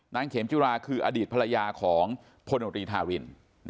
เขมจุราคืออดีตภรรยาของพลโนตรีทาริน